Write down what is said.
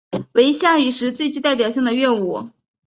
为夏禹时最具代表性的乐舞。